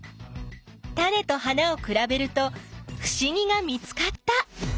タネと花をくらべるとふしぎが見つかった！